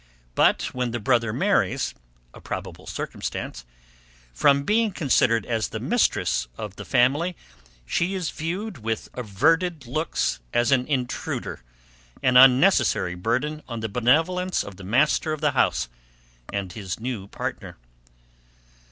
But, when the brother marries, a probable circumstance, from being considered as the mistress of the family, she is viewed with averted looks as an intruder, an unnecessary burden on the benevolence of the master of the house, and his new partner.